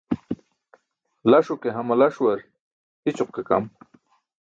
Laṣo ke hama-laaṣuwar hi̇ćoq ke kam.